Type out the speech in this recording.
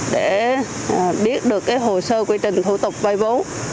để biết được cái hồ sơ quy trình thủ tục vai vốn